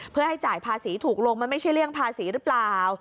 เพื่อให้จ่ายภาษีถูกลงมันไม่ใช่เรื่องภาษีหรือเปล่า